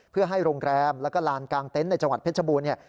เพื่อให้โรงแรมแล้วก็ลานกลางเต็นต์ในจังหวัดเพชรบูรณเนี่ย